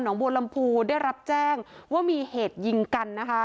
บัวลำพูได้รับแจ้งว่ามีเหตุยิงกันนะคะ